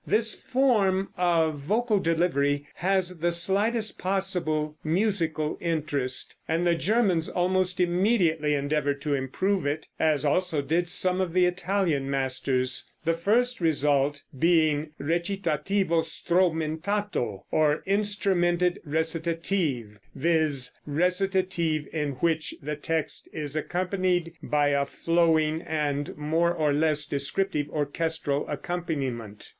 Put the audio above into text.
This form of vocal delivery has the slightest possible musical interest, and the Germans almost immediately endeavored to improve it, as also did some of the Italian masters, the first result being recitativo stromentato, or instrumented recitative, viz., recitative in which the text is accompanied by a flowing and more or less descriptive orchestral accompaniment.